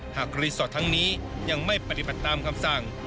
หากรีสอร์ททั้งนี้ยังไม่ปฏิบัติตามคำสั่ง